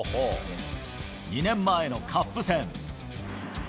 ２年前のカップ戦。